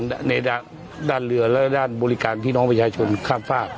ในด้านเรือและด้านบริการพี่น้องประชาชนข้ามฝาก